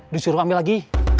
disuruh ambil lagi